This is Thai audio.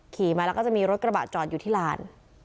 ขี่มาแล้วก็จะมีรถกระบะจอดอยู่ที่ลาน